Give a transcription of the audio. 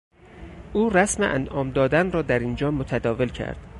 او رسم انعام دادن را در اینجا متداول کرد.